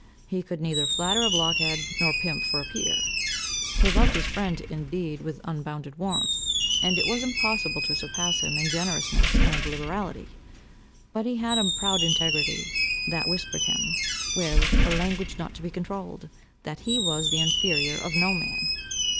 He could neither flatter a blockhead, nor pimp for a peer. He loved his friend indeed with unbounded warmth, and it was impossible to surpass him in generousness and liberality. But he had a proud integrity, that whispered him, with, a language not to be controled, that he was the inferior of no man.